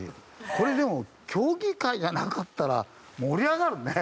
これでも競技会じゃなかったら盛り上がるね。